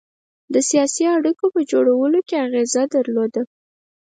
د سیاسي اړېکو په جوړولو کې اغېزه درلوده.